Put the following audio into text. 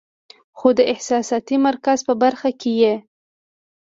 خو د احساساتي مرکز پۀ برخه کې ئې